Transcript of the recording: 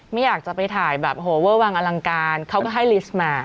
ไม่อยากจะไปถ่ายแบบโหเวอร์วังอลังการเขาก็ให้ลิสต์มา